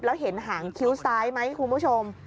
แล้วเห็นหางคิ้วซ้ายไหมคุณผู้ชม